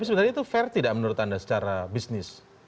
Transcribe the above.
jadi itu fair tidak menurut anda secara bisnis